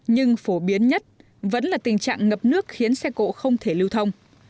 nhưng phổ biến nhất vẫn là tình trạng ngập nước khiến xe cộ không thể lưu thông